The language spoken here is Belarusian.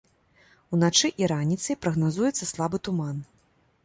Уначы і раніцай прагназуецца слабы туман.